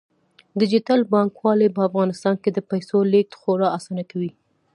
ډیجیټل بانکوالي په افغانستان کې د پیسو لیږد خورا اسانه کوي.